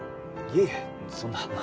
いえいえそんな。